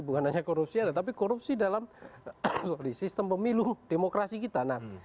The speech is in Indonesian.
bukan hanya korupsi tetapi korupsi dalam sistem pemilu demokrasi kita